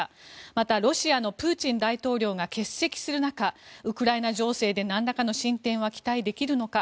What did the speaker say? また、ロシアのプーチン大統領が欠席する中ウクライナ情勢でなんらかの進展は期待できるのか。